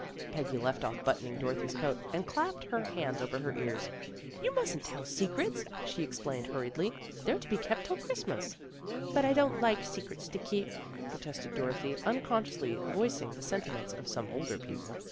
" Peggy left off buttoning Dorothy's coat, and clapped her hands over her ears. '* You mustn't tell secrets," she explained hur riedly. " They're to be kept till Christmas." " But I don't like secrets to keep," protested Dorothy, unconsciously voicing the sentiments of some older people.